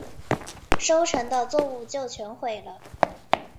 收成的作物就全毁了